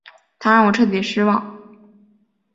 他让我彻底的失望